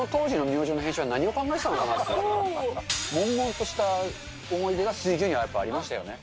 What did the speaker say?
もんもんとした思い出が水牛には、やっぱりありましたよね。